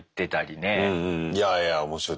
いやいや面白い。